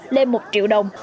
lên một triệu đồng